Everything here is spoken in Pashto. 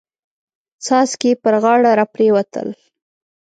څاڅکي يې پر غاړه را پريوتل.